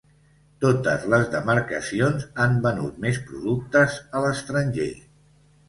Totes les demarcacions han venut més productes a l'estranger.